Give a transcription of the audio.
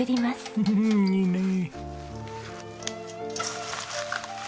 フフフいいねえ。